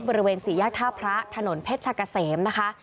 บริเวณศรียากท่าพระถนนเพชรชะเกษมนะคะ